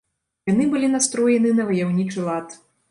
Яны былі настроены на ваяўнічы лад.